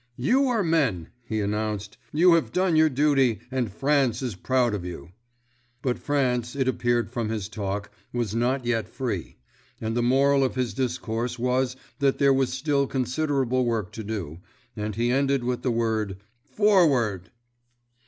"You are men!" he announced, "you have done your duty, and France is proud of you." But France, it appeared from his talk, was not yet free; and the moral of his discourse was that there was still considerable work to do, and he ended with the word "_Forward!